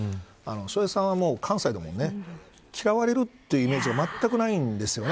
笑瓶さんは関西でも嫌われるというイメージがまったくないんですよね。